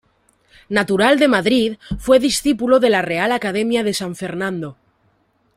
Natural de Madrid, fue discípulo de la Real Academia de San Fernando.